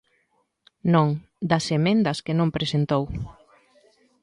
Non, ¡das emendas que non presentou!